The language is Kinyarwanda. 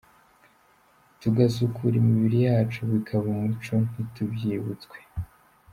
Tugasukura imibiri yacu, bikaba umuco ntitubyibutswe.